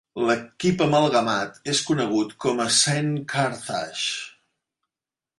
L'equip amalgamat és conegut com a Saint Carthages.